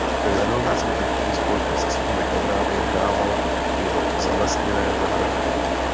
Lennon si v dětství společně se svými kamarády hrával v jeho zalesněné zahradě.